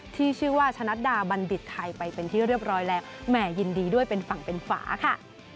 ที่ชื่อว่าชะนัดดาบัณฑิตไทยไปเป็นที่เรียบร้อยแล้วแหม่ยินดีด้วยเป็นฝั่งเป็นฝาค่ะ